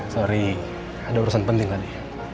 sorry ada urusan penting tadi